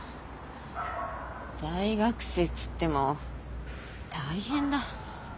大学生っつっても大変だ。